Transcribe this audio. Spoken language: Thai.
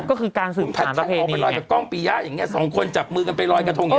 ออกไปรอยกระกล้องปียะกับสองคนจับมือกันไปรอยกระทง